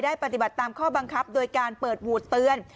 ปฏิบัติตามข้อบังคับโดยการเปิดหวูดเตือน